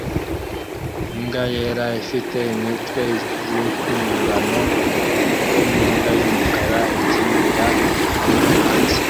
Imbwa yera ifite imitwe yimpimbano kumutwe nimbwa yumukara ikinira hamwe hanze